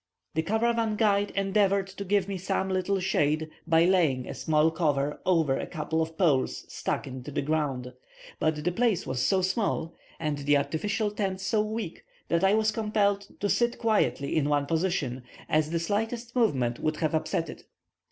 The caravan guide endeavoured to give me some little shade by laying a small cover over a couple of poles stuck into the ground; but the place was so small, and the artificial tent so weak, that I was compelled to sit quietly in one position, as the slightest movement would have upset it.